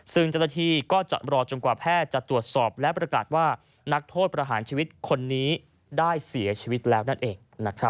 ซึ่งจนกว่าแพทย์จะตรวจสอบและประกาศว่านักโทษประหารชีวิตคนนี้ได้เสียชีวิตแล้วนั่นเอง